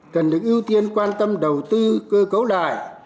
cần được ưu tiên quan tâm đầu tư cơ cấu lại